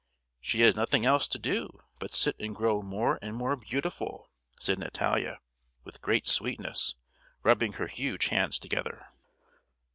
"She has nothing else to do, but sit and grow more and more beautiful!" said Natalia with great sweetness, rubbing her huge hands together.